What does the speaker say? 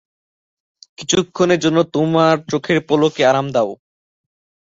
কিছুক্ষনের জন্য তোমার চোখের পলকে আরাম দাও।